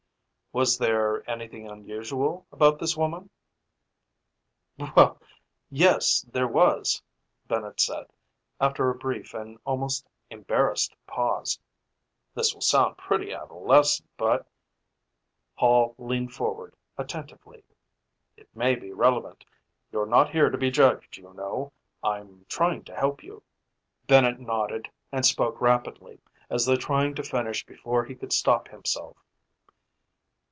"Was there anything unusual about this woman?" "Well, yes, there was," Bennett said, after a brief and almost embarrassed pause. "This will sound pretty adolescent, but " Hall leaned forward attentively. "It may be relevant. You're not here to be judged, you know; I'm trying to help you." Bennett nodded and spoke rapidly, as though trying to finish before he could stop himself.